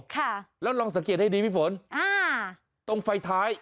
ค่ะแล้วลองสังเกตให้ดีพี่ฝนอ่าตรงไฟท้าย